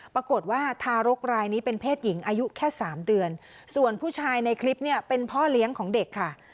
ปรากฏว่าทารกรายนี้เป็นเพศหญิงอายุแค่สามเดือนส่วนผู้ชายในคลิปเนี่ยเป็นพ่อเลี้ยงของเด็กค่ะ